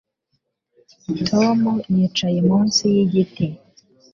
Tom yicaye munsi yigiti